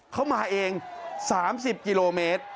เขามาเอง๓๐กิโลเมตร